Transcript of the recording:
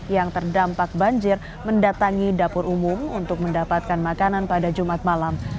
yang terdampak banjir mendatangi dapur umum untuk mendapatkan makanan pada jumat malam